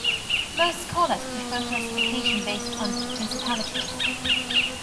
Most scholars prefer classification based on principalities.